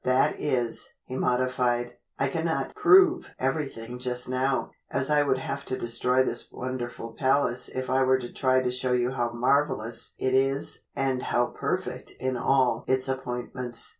That is," he modified, "I cannot prove everything just now, as I would have to destroy this wonderful palace if I were to try to show you how marvelous it is and how perfect in all its appointments.